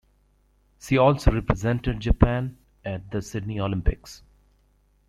She also represented Japan at the Sydney Olympics.